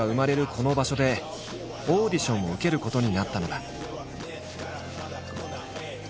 この場所でオーディションを受けることになったのだ。